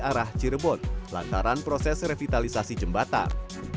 arah cirebon lantaran proses revitalisasi jembatan